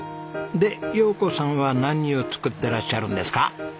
で洋子さんは何を作ってらっしゃるんですか？